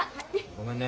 ごめんね。